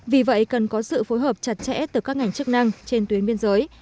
vì vậy cần có sự phối hợp chặt chẽ từ các ngành chức năng trên tuyến biên giới